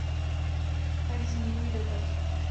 Tak zní můj dotaz.